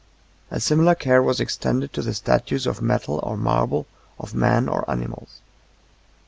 A similar care was extended to the statues of metal or marble of men or animals.